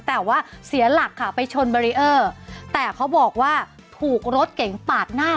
แต่ว่าเสียหลักค่ะไปชนเบรีเออร์แต่เขาบอกว่าถูกรถเก๋งปาดหน้า